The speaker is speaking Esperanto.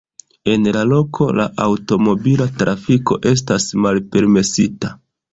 En la loko la aŭtomobila trafiko estas malpermesita.